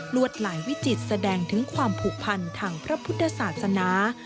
วดหลายวิจิตรแสดงถึงความผูกพันทางพระพุทธศาสนา